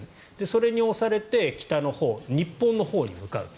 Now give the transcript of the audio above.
それに押されて北のほう日本のほうに向かう。